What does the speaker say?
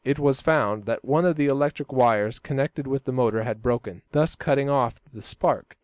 It was found that one of the electric wires connected with the motor had broken, thus cutting off the spark.